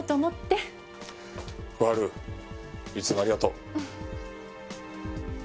小春いつもありがとう。